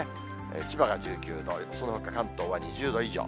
千葉が１９度、そのほか関東は２０度以上。